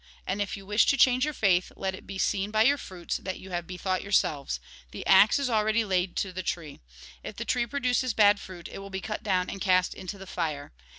And if you wish to change your faith, let it be seen by your fruits that you have bethought youi'selves. The axe is already laid to the tree. If the tree produces bad fruit, it will be cut down and cast into the fire.